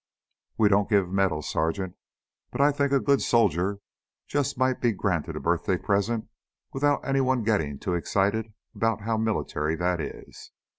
"We don't give medals, Sergeant. But I think a good soldier might just be granted a birthday present without any one gittin' too excited about how military that is."